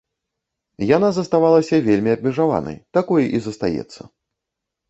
Яна заставалася вельмі абмежаванай, такой і застаецца.